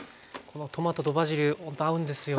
トマトとバジルほんと合うんですよね。